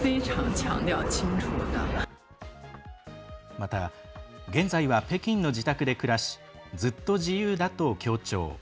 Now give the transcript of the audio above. また現在は北京の自宅で暮らしずっと自由だと強調。